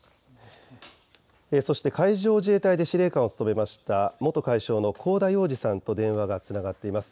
そして海上自衛隊で司令官を務めました元海将の香田洋二さんと電話がつながっています。